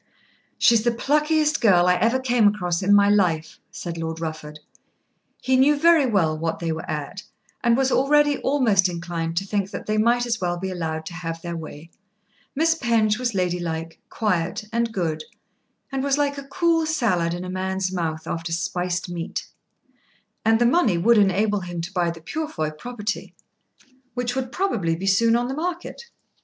"She is the pluckiest girl I ever came across in my life," said Lord Rufford. He knew very well what they were at, and was already almost inclined to think that they might as well be allowed to have their way. Miss Penge was ladylike, quiet, and good, and was like a cool salad in a man's mouth after spiced meat. And the money would enable him to buy the Purefoy property which would probably be soon in the market.